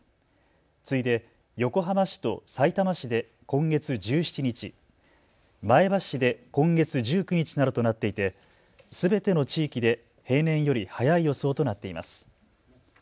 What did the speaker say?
次いで横浜市とさいたま市で今月１７日、前橋市で今月１９日などとなっていてすべての地域で平年より早い予想となっています。